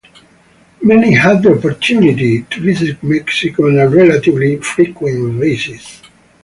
Many had the opportunity to visit Mexico on a relatively frequent basis.